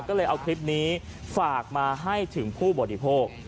ก็เลยเอาคลิปนี้ฝากมาให้ถึงผู้บริโภค